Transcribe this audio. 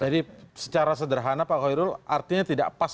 jadi secara sederhana pak hoi rul artinya tidak pas